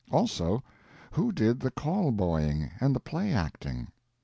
Also, who did the call boying and the play acting.